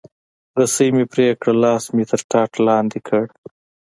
رسۍ مې پرې کړه، لاس مې تر ټاټ لاندې کړ.